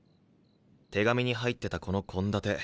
手紙に入ってたこの献立。